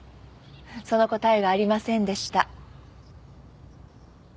その答えがありませんでした。